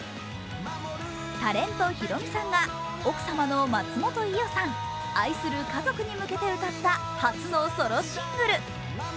タレント・ヒロミさんが奥様の松本伊代さん愛する家族に向けて歌った初のソロシングル。